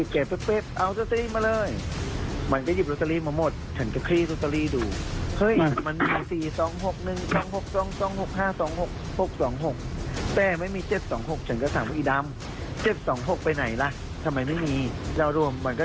ก็ถามว่าอีดำเจ็ดสองหกไปไหนล่ะทำไมไม่มีแล้วรวมมันก็